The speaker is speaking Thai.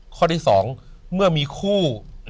ข้อที่๒เมื่อมีคู่